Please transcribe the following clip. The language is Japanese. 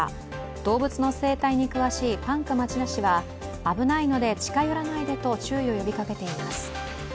動物の生態に詳しいパンク町田氏は危ないので近寄らないでと注意を呼びかけています。